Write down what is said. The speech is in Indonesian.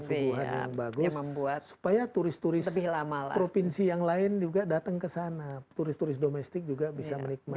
tumbuhan yang bagus supaya turis turis provinsi yang lain juga datang ke sana turis turis domestik juga bisa menikmati